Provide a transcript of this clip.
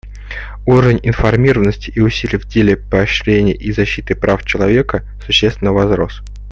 Уровень информированности и усилий в деле поощрения и защиты прав человека существенно возрос.